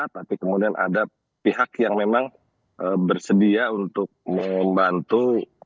tapi kemudian ada pihak yang memang bersedia untuk membantu